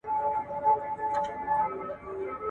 دا خاوره ډیره غني ده.